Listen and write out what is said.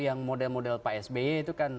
yang model model pak sby itu kan